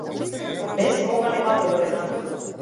Без бога нема добрина.